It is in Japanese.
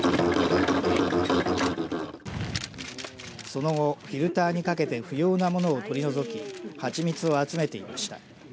その後、フィルターにかけて不要な物を取り除き蜂蜜を集めていました。